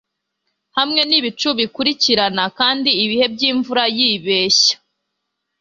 Hamwe nibicu bikurikirana kandi ibihe byimvura yibeshya